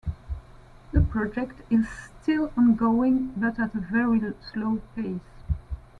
The project is still ongoing but at a very slow pace.